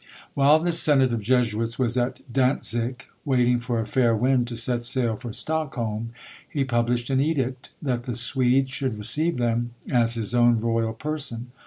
While this senate of Jesuits was at Dantzic, waiting for a fair wind to set sail for Stockholm, he published an edict, that the Swedes should receive them as his own royal person.